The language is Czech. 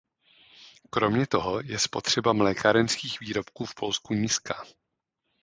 Kromě toho je spotřeba mlékárenských výrobků v Polsku nízká.